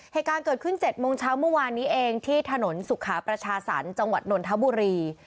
เหตุการณ์เกิดขึ้น๗โมงเช้าเมื่อวานนี้เองที่ถนนสุขาประชาสรรค์จังหวัดนนทบุรี